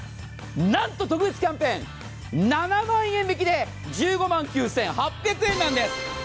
なんと特別キャンペーン７万円引きで１５万９８００円なんです。